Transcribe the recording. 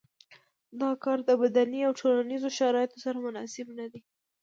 دا کار د بدني او ټولنیزو شرایطو سره مناسب نه دی.